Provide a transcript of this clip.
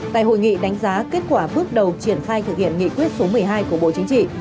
tại hội nghị đánh giá kết quả bước đầu triển khai thực hiện nghị quyết số một mươi hai của bộ chính trị